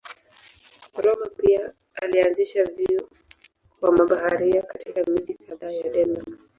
Rømer pia alianzisha vyuo kwa mabaharia katika miji kadhaa ya Denmark.